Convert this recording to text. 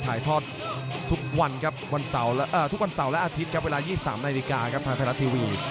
ถ่ายทอดทุกวันครับทุกวันเสาร์และอาทิตย์ครับเวลา๒๓นาฬิกาครับทางไทยรัฐทีวี